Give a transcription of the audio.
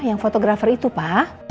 yang fotografer itu pa